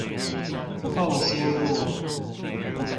鳳新路